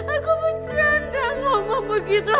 aku bercanda ngomong begitu